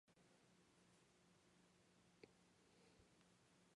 当時は、柳暗花明の風流のちまたであったわけで、